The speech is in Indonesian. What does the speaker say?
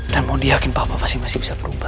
dan mondi yakin papa pasti masih bisa berubah